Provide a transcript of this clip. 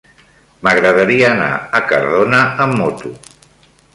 M'agradaria anar a Cardona amb moto.